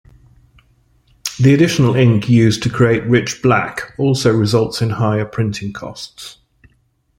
The additional ink used to create rich black also results in higher printing costs.